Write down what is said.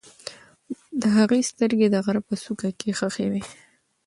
د هغې سترګې د غره په څوکه کې خښې وې.